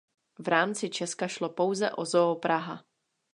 V rámci Česka šlo pouze o Zoo Praha.